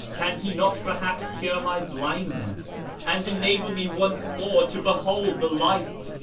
Can he not perhaps cure my blindness and enable me once more to behold the light